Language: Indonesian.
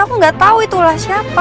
aku nggak tahu itulah siapa